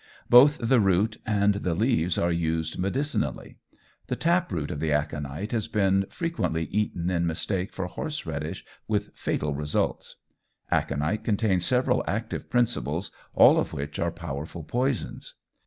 Both the root and the leaves are used medicinally. The tap root of the aconite has been frequently eaten in mistake for horse radish with fatal results. Aconite contains several active principles, all of which are powerful poisons.